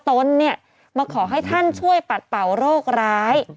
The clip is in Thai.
ตนเนี่ยมาขอให้ท่านช่วยปัดเป่าโรคร้าย